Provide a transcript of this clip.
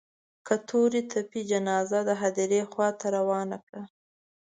که تورې تپې جنازه د هديرې خوا ته روانه کړه.